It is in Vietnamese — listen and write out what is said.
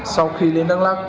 sau khi đến đắk lắc